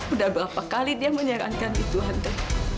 udah berapa kali dia menyarankan itu hantar